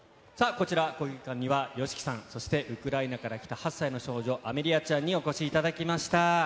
ＯＳＨＩＫＩさん、そしてウクライナから来た８歳の少女、アメリアちゃんにお越しいただきました。